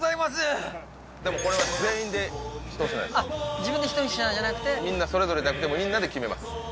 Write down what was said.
でもこれは全員で１つのやつあっ自分で一品じゃなくてみんなそれぞれだけどもみんなで決めます